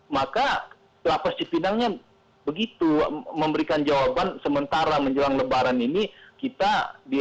maka lapas cipinangnya begitu memberikan jawaban sementara menjelang lebaran ini kita di